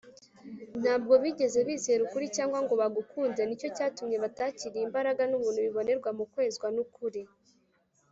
ntabwo bigeze bizera ukuri cyangwa ngo bagukunde, ni cyo gituma batakiriye imbaraga n’ubuntu bibonerwa mu kwezwa n’ukuri